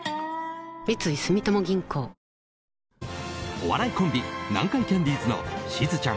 お笑いコンビ南海キャンディーズのしずちゃん